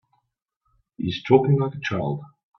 He's talking like a child.